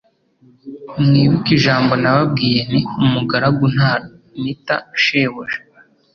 Mwibuke ijambo nababwiye nti : «Umugaragu ntanita shebuja.